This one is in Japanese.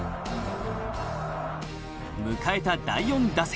迎えた第４打席。